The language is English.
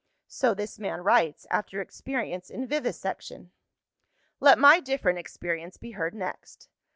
"So this man writes, after experience in Vivisection. "Let my different experience be heard next.